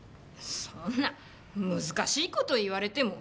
そんな難しい事言われても。